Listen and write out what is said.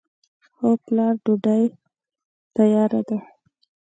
هو پلاره! ډوډۍ تیاره ده.